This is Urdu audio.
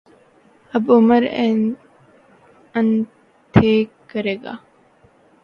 آب عمر انٹهیک کرے گا